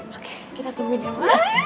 oke kita tungguin ya mas